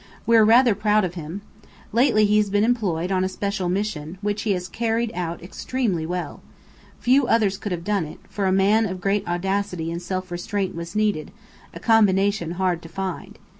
We're rather proud of him. Lately he's been employed on a special mission, which he has carried out extremely well. Few others could have done it, for a man of great audacity and self restraint was needed: a combination hard to find.